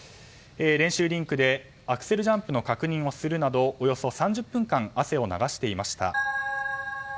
練習リンクでアクセルジャンプの確認をするなどおよそ３０分間汗を流していました。